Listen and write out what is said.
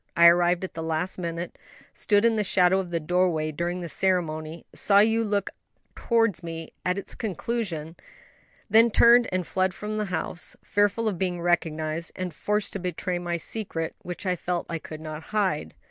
I arrived at the last minute, stood in the shadow of the doorway during the ceremony, saw you look up towards me at its conclusion, then turned and fled from the house; fearful of being recognized and forced to betray my secret which I felt I could not hide.